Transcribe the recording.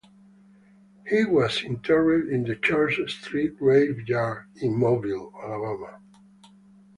He was interred in the Church Street Graveyard in Mobile, Alabama.